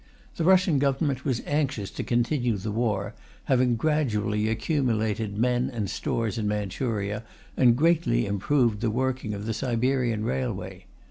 The Russian Government was anxious to continue the war, having gradually accumulated men and stores in Manchuria, and greatly improved the working of the Siberian railway.